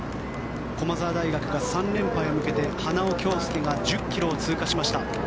駒澤大学が３連覇へ向けて花尾恭輔が１０ｋｍを通過しました。